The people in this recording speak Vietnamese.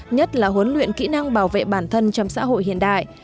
nhất là huấn luyện kỹ năng bảo vệ bản thân trong xã hội hiện đại